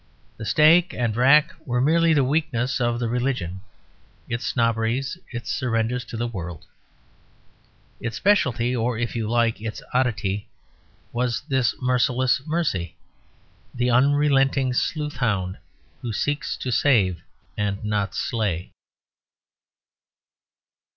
The stake and rack were merely the weaknesses of the religion; its snobberies, its surrenders to the world. Its speciality or, if you like, its oddity was this merciless mercy; the unrelenting sleuthhound who seeks to save and not slay.